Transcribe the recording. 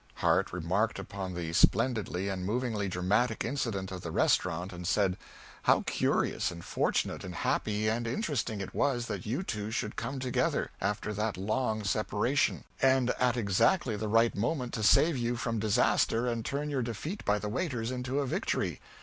Harte remarked upon the splendidly and movingly dramatic incident of the restaurant, and said, "How curious and fortunate and happy and interesting it was that you two should come together, after that long separation, and at exactly the right moment to save you from disaster and turn your defeat by the waiters into a victory.